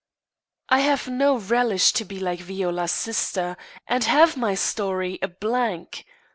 "I have no relish to be like Viola's sister, and have my story a blank.